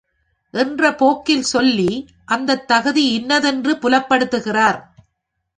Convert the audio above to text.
என்ற போக்கில் சொல்லி, அந்தத் தகுதி இன்னதென்று புலப்படுத்துகிறார்.